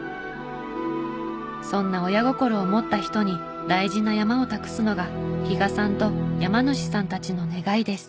そんな親心を持った人に大事な山を託すのが比賀さんと山主さんたちの願いです。